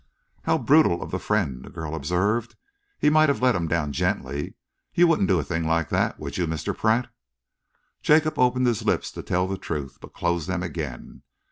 "How brutal of the friend!" the girl observed. "He might have let him down gently. You wouldn't do a thing like that, would you, Mr. Pratt?" Jacob opened his lips to tell the truth, but closed them again.